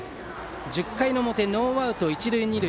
１０回表ノーアウト、一塁二塁。